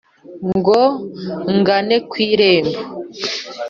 ngo ngane ku irembo